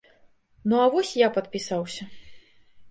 Ну а вось я падпісаўся.